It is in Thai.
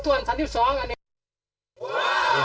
ส่วนชั้นที่๒อันนี้